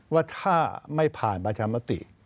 ว่าถ้าไม่ผ่านประชามติ